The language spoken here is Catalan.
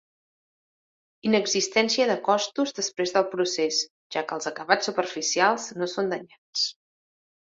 Inexistència de costos després del procés, ja que els acabats superficials no són danyats.